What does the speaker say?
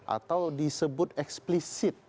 atau disebut eksplisit